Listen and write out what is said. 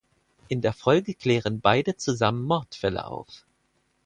In der Folge klären beide zusammen Mordfälle auf.